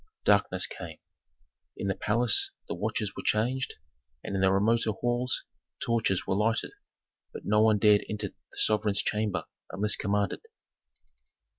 Darkness came. In the palace the watches were changed, and in the remoter halls torches were lighted. But no one dared enter the sovereign's chamber unless commanded.